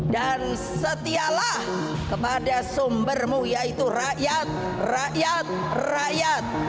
dan setialah kepada sumbermu yaitu rakyat rakyat rakyat